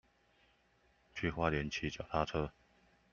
去花蓮騎腳踏車